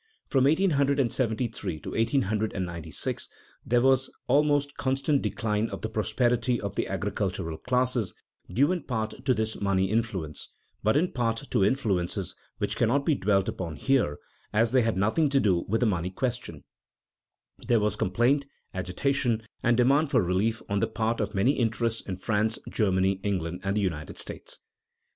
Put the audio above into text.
From 1873 to 1896 there was almost constant decline of the prosperity of the agricultural classes, due in part to this money influence, but in part to influences which cannot be dwelt upon here, as they had nothing to do with the money question. There was complaint, agitation, and demand for relief on the part of many interests in France, Germany, England, and the United States.